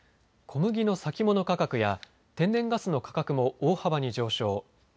小麦の先物価格や天然ガスの価格も大幅に上昇。